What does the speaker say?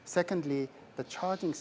kedua pembawa bus